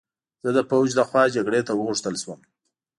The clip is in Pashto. زه د پوځ له خوا جګړې ته وغوښتل شوم